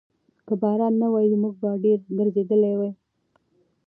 که باران نه وای، موږ به ډېر ګرځېدلي وو.